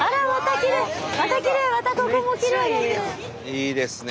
いいですね